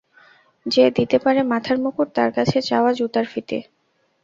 যে দিতে পারে মাথার মুকুট, তার কাছে চাওয়া জুতোর ফিতে!